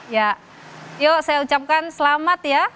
ya yuk saya ucapkan selamat ya